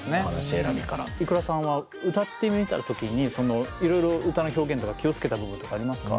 ｉｋｕｒａさんは歌ってみた時にそのいろいろ歌の表現とか気を付けた部分とかありますか？